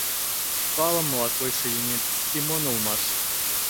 — Палымыла койшо еҥет Семон улмаш!